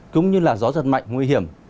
cũng như là gió giật mạnh nguy hiểm